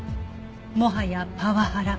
「もはやパワハラ」